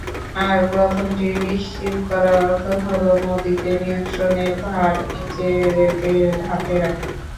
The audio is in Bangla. আর, প্রথমটি নিশ্চিত করার অর্থ হলো, মোদিকে নিয়ন্ত্রণের ভার নিজেদের হাতে রাখা।